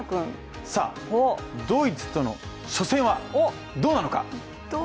さあ、ドイツとの初戦はどうなのか。